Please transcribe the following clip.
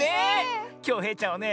きょうへいちゃんはね